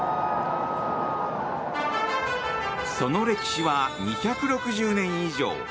その歴史は２６０年以上。